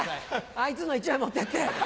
あいつの１枚持ってって。